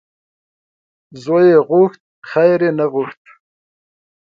زوی یې غوښت خیر یې نه غوښت .